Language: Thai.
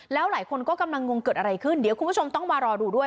แล้วหลายคนก็กำลังงงเกิดอะไรขึ้นเดี๋ยวคุณผู้ชมต้องมารอดูด้วย